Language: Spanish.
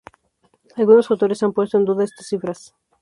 Algunos autores han puesto en duda estas cifras.